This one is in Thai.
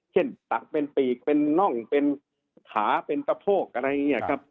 ตักเป็นปีกเป็นน่องเป็นขาเป็นตะโพกอะไรอย่างนี้ครับ